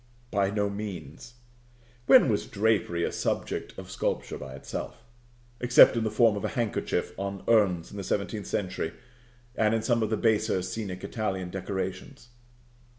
By no means. When was drapery a subject of sculpture by itself, except in the form of a handkerchief on urns in the seventeenth century and in some of the baser scenic Italian decorations?